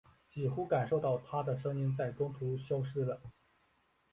几乎感受到她的声音在中途消失了。